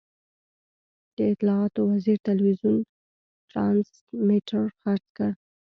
د اطلاعاتو وزیر ټلوېزیون ټرانسمیټر خرڅ کړ.